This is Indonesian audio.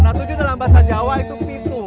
nah tujuh dalam bahasa jawa itu pintu